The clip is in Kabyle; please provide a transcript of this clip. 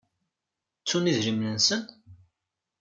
Ttun idrimen-nsen?